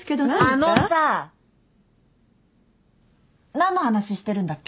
何の話してるんだっけ？